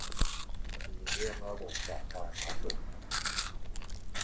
คือเรื่องระบบสาธารณสุข